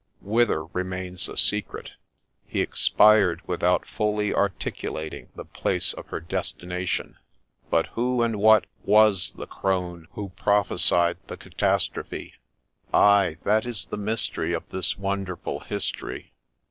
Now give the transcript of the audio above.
Whither remains a secret. He expired without fully articulating the place of her destination. But who and what was the crone who prophesied the cata strophe ? Ay, ' that is the mystery of this wonderful history.'